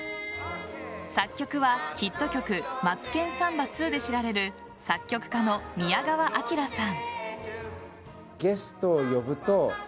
作曲はヒット曲「マツケンサンバ２」で知られる作曲家の宮川彬良さん。